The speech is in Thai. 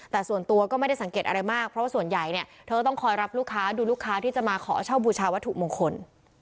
แต่ส่วนตัวก็ไม่ได้สังเกตอะไรมากเพราะว่าส่วนใหญ่เนี่ยเธอก็ต้องคอยรับลูกค้าดูลูกค้าที่จะมาขอเช่าบูชาวัตถุมงคล